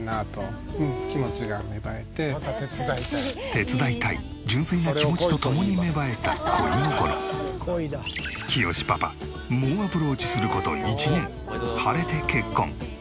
手伝いたい純粋な気持ちとともにきよしパパ猛アプローチする事１年晴れて結婚。